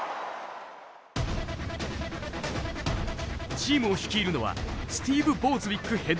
チームを率いるのはスティーブ・ボーズウィックヘッドコーチ。